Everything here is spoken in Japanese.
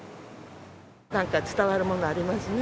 なんか伝わるものありますね。